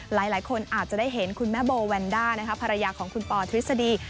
หลายคนอาจจะได้เห็นคุณแม่โบแวนด้าภรรยาของคุณปอทฤษฎี